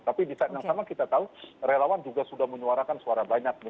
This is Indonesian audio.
tapi di saat yang sama kita tahu relawan juga sudah menyuarakan suara banyak